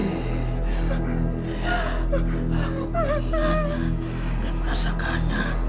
ya aku ingatnya dan merasakannya